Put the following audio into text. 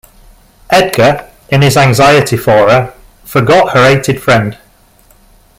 Edgar, in his anxiety for her, forgot her hated friend.